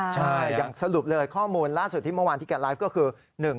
ใช่อย่างสรุปเลยข้อมูลล่าสุดที่เมื่อวานที่แกไลฟ์ก็คือ